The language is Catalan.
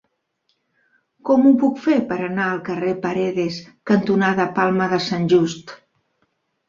Com ho puc fer per anar al carrer Paredes cantonada Palma de Sant Just?